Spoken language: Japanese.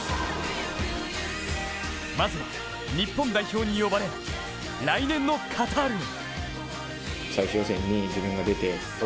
まずは、日本代表に呼ばれ来年のカタールへ。